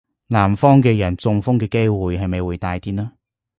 南方嘅人中風嘅機會係咪會大啲呢?